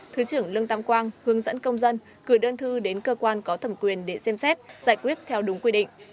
thứ trưởng lương tam quang hướng dẫn công dân gửi đơn thư đến cơ quan có thẩm quyền để xem xét giải quyết theo đúng quy định